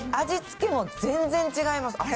味付けも全然違います。